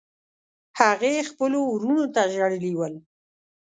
هغې خپلو وروڼو ته ژړلي ول.